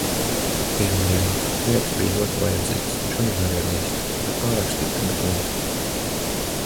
Pirmdiena. Lietus bija ļoti vajadzīgs. Un šodien arī līst. Ne pārāk stipri, bet līst.